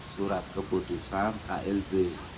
surat keputusan klb